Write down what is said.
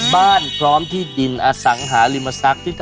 บ้านพร้อมที่ดินอสังหาริมศักดิ์